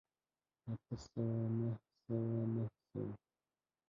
اته سوو، اتو سوو، نهه سوو، نهو سوو